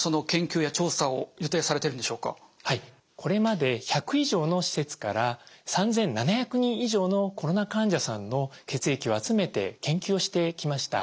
これまで１００以上の施設から３，７００人以上のコロナ患者さんの血液を集めて研究をしてきました。